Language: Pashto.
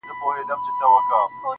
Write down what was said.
د درد د كړاوونو زنده گۍ كي يو غمى دی.